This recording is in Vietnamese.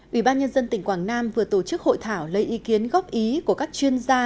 ủy ban nhân dân tỉnh quảng nam vừa tổ chức hội thảo lấy ý kiến góp ý của các chuyên gia